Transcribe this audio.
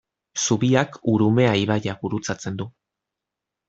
Zubiak Urumea ibaia gurutzatzen du.